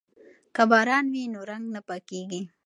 که باران وي نو رنګ نه پاکیږي.